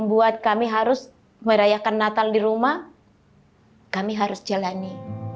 buat kami harus merayakan natal di rumah kami harus jalani